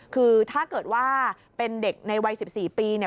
คือถ้าเกิดว่าเป็นเด็กในวัย๑๔ปีเนี่ย